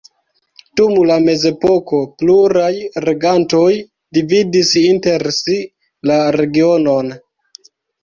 Dum la mezepoko pluraj regantoj dividis inter si la regionon.